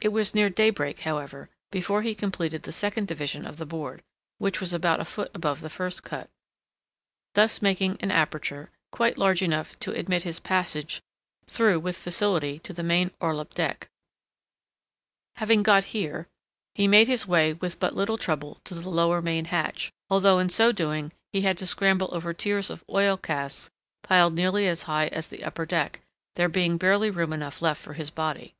It was near daybreak, however, before he completed the second division of the board (which was about a foot above the first cut), thus making an aperture quite large enough to admit his passage through with facility to the main orlop deck. Having got here, he made his way with but little trouble to the lower main hatch, although in so doing he had to scramble over tiers of oil casks piled nearly as high as the upper deck, there being barely room enough left for his body.